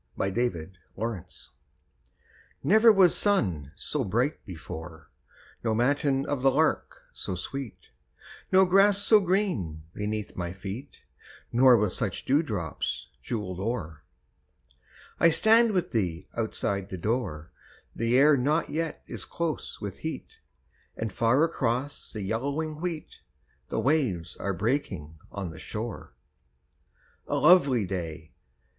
A SUMMER MORNING Never was sun so bright before, No matin of the lark so sweet, No grass so green beneath my feet, Nor with such dewdrops jewelled o'er. I stand with thee outside the door, The air not yet is close with heat, And far across the yellowing wheat The waves are breaking on the shore. A lovely day!